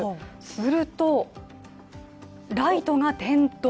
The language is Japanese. すると、ライトが点灯。